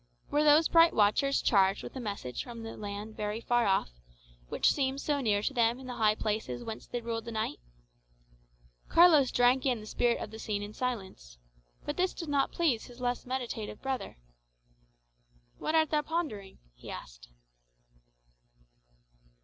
Were those bright watchers charged with a message from the land very far off, which seemed so near to them in the high places whence they ruled the night? Carlos drank in the spirit of the scene in silence. But this did not please his less meditative brother. "What art thou pondering?" he asked.